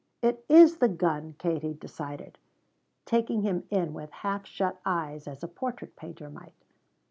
"It is the gun," Katie decided, taking him in with half shut eyes as a portrait painter might.